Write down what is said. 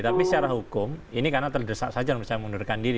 tapi secara hukum ini karena terdesak saja menurut saya mengundurkan diri